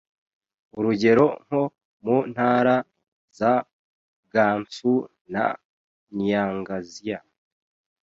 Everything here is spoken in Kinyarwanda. urugero nko mu ntara za Gansu na Ningxia